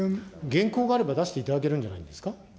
原稿があれば出していただけるんじゃないですか。